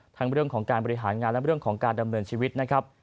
เรื่องของการบริหารงานและเรื่องของการดำเนินชีวิตนะครับ